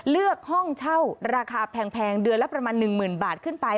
เลือกห้องเช่าราคาแพงเดือนละประมาณ๑๐๐๐บาทขึ้นไป